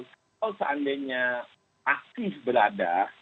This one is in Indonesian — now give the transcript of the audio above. kalau seandainya aktif berada